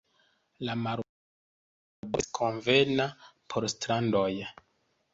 La marbordo estas konvena por strandoj.